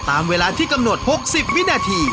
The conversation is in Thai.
ตามเวลาที่กำหนด๖๐วินาที